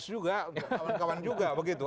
juga kawan kawan juga begitu